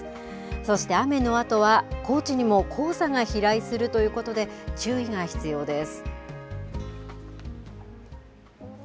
そして雨のあとは、高知にも黄砂が飛来するということで、注意が必要です。